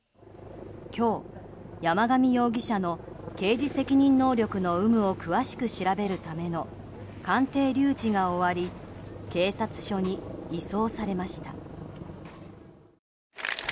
今日、山上容疑者の刑事責任能力の有無を詳しく調べるための鑑定留置が終わり警察署に移送されました。